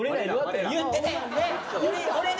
言ってたやんね！